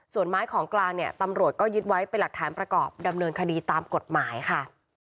ส่วนไม้ของกลางเนี่ยตำรวจก็ยึดไว้เป็นหลักฐานประกอบดำเนินคดีตามกฎหมายค่ะ